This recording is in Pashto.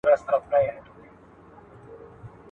که موږ په پښتو ولیکو، نو پیغام به مو درست وي.